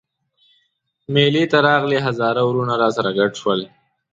مېلې ته راغلي هزاره وروڼه راسره ګډ شول.